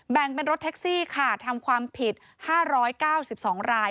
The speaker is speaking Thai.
แบ่งเป็นรถแท็กซี่ค่ะทำความผิด๕๙๒ราย